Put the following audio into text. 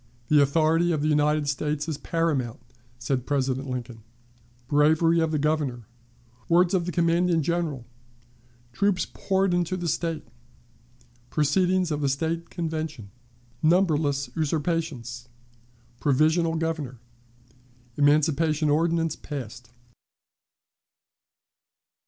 "The Authority of the United States is Paramount," said President Lincoln. Bravery of the Governor. Words of the Commanding General. Troops poured into the State. Proceedings of the State Convention. Numberless Usurpations. Provisional Governor. Emancipation Ordinance passed.